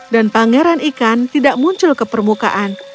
dan pangeran ikan tidak muncul ke permukaan